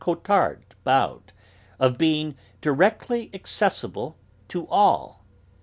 Cottard bowed of being directly accessible to all.